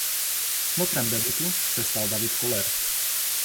Kmotrem debutu se stal David Koller.